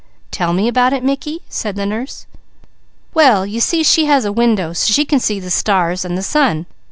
"Tell me about it, Mickey?" said the nurse. "Well you see she has a window, so she can see the stars and the sun.